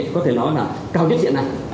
có thể nói là cao nhất hiện ảnh